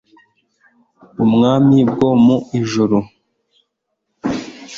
umwami bwo mu ijuru